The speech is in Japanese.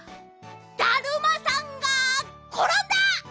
だるまさんがころんだ！